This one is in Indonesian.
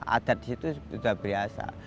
adat di situ sudah biasa